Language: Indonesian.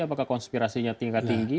apakah konspirasinya tingkat tinggi